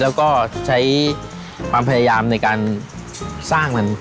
แล้วก็ใช้ความพยายามในการสร้างมัน